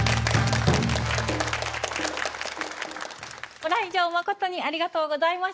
ご来場まことにありがとうございます。